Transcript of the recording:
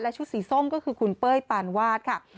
และชุดสีส้มคือคุณเป้ยปาญวาสค่ะ